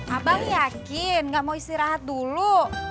abang yakin gak mau istirahat dulu